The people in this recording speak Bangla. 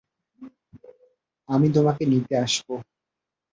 আমি তোমাকে নিতে আসবো!